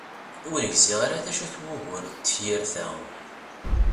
Ur gziɣ ara d acu-t wugur n tefyirt-a!